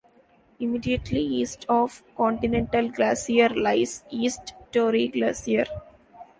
Immediately east of Continental Glacier lies East Torrey Glacier.